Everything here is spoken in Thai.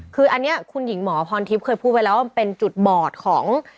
คืออันนี้คุณหญิงหมอพรทิพย์เคยพูดไปแล้วว่ามันเป็นจุดบอดของ